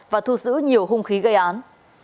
và thu giữ nhiều hung khí gây án